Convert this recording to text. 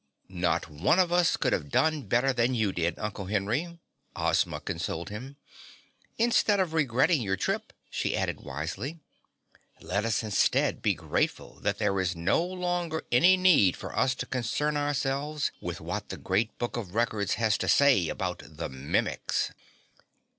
"Not one of us could have done better than you did, Uncle Henry," Ozma consoled him. "Instead of regretting your trip," she added wisely, "let us instead be grateful that there is no longer any need for us to concern ourselves with what the Great Book of Records has to say about the Mimics."